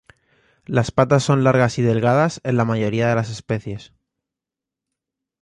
Las patas son largas y delgadas en la mayoría de las especies.